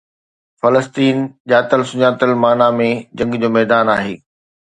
فلسطين ڄاتل سڃاتل معنى ۾ جنگ جو ميدان آهي.